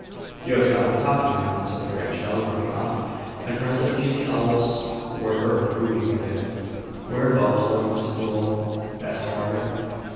"You have got him talking now," said the grandchild, running off; and presently the owls were heard hooting again. "Whereabouts was this pool?" asked Margaret.